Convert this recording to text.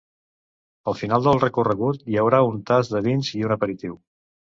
Al final del recorregut hi haurà un tast de vins i un aperitiu.